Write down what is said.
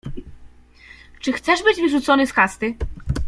— Czy chcesz być wyrzucony z kasty?